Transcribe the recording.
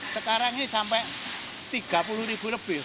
sekarang ini sampai rp tiga puluh lebih